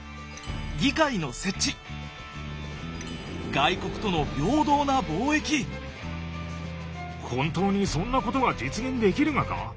外国との本当にそんなことが実現できるがか？